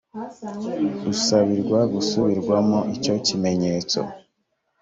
rusabirwa gusubirwamo icyo kimenyetso